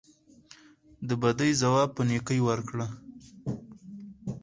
د بدۍ ځواب په نیکۍ ورکړه.